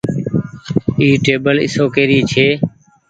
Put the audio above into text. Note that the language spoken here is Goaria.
اي ٽيبل اشوڪي ري ڇي۔